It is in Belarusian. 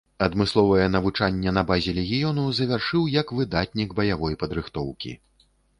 Адмысловае навучанне на базе легіёну завяршыў як выдатнік баявой падрыхтоўкі.